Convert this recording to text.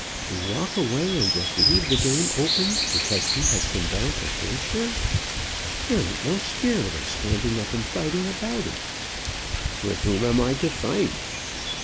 To walk away and just leave the game open because he has come down to Hampshire! There ain't no spirit of standing up and fighting about it." "With whom am I to fight?"